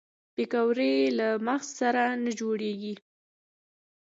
پکورې له مغز سره نه جوړېږي